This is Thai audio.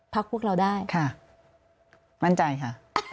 พวกเราได้ค่ะมั่นใจค่ะ